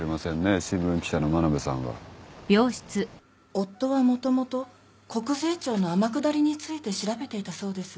夫はもともと国税庁の天下りについて調べていたそうです。